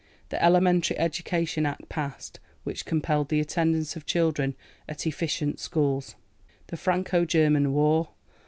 THE ELEMENTARY EDUCATION ACT passed, which compelled the attendance of children at efficient schools. The Franco German War.